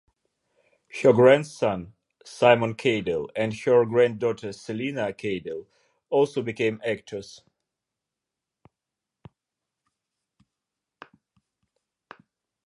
Her grandson Simon Cadell and her granddaughter Selina Cadell also became actors.